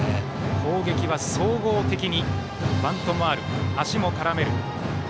攻撃は総合的にバントもある、足も絡める。